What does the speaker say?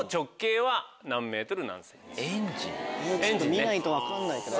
見ないと分かんない。